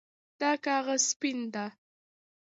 دا کاغذ سپین ده